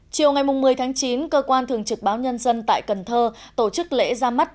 chiều ngày một mươi tháng chín cơ quan thường trực báo nhân dân tại cần thơ tổ chức lễ ra mắt